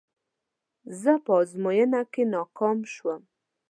په ازموينه کې ناکام شوم.